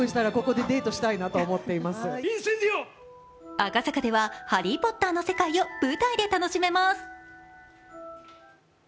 赤坂では「ハリー・ポッター」の世界を舞台で楽しめます。